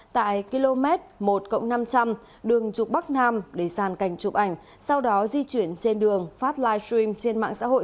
tại km một năm trăm linh đường chụp bắc nam để giàn cảnh chụp ảnh sau đó di chuyển trên đường phát live stream trên mạng xã hội